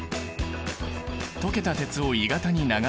溶けた鉄を鋳型に流し込むと。